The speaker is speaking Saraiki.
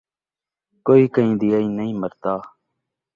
کئی کئیں دی آئی نئیں مردا